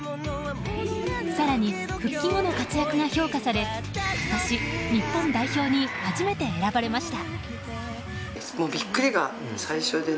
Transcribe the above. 更に復帰後の活躍が評価され今年、日本代表に初めて選ばれました。